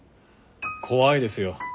怖いですよ